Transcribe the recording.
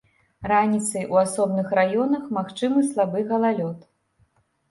Раніцай у асобных раёнах магчымы слабы галалёд.